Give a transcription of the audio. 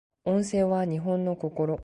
温泉は日本の心